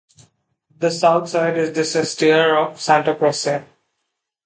The south side is the sestiere of Santa Croce.